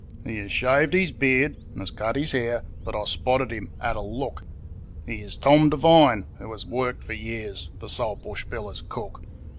He has shaved his beard, and has cut his hair, but I spotted him at a look; He is Tom Devine, who has worked for years for Saltbush Bill as cook.